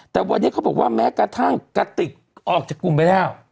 แต่วันนี้เขาบอกว่าแม้กระทั่งกระติกออกจากกลุ่มไปแล้ว